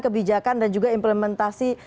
kebijakan dan juga implementasi